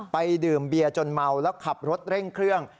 ดื่มเบียร์จนเมาแล้วขับรถเร่งเครื่อง